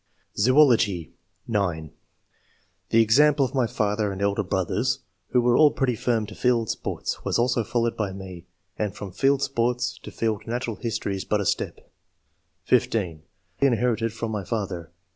Zoology. — (9) (The example of my father and elder brothers, who were all pretty firm to field sports, was also followed by me, and from field sports to field natural history is but a step). (15) Largely inherited from my father.